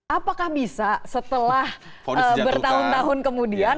apakah bisa setelah bertahun tahun kemudian